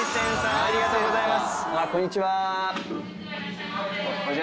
ありがとうございます。